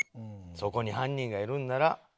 「そこに犯人がいるんだろ！」